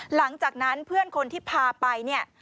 หลังจากนั้นเพื่อนคนที่พาไปเนี่ย